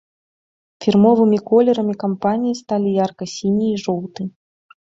Фірмовымі колерамі кампаніі сталі ярка-сіні і жоўты.